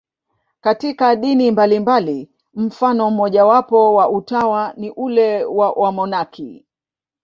Katika dini mbalimbali, mfano mmojawapo wa utawa ni ule wa wamonaki.